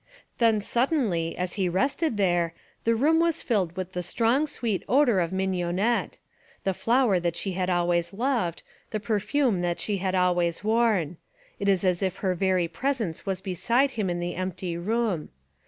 ... Then, suddenly, as he rested there, the room was filled with the strong, sweet odour of mi gnonette — the flower that she had always loved, the perfume that she had always worn. It is as if her very presence was beside him In the empty room.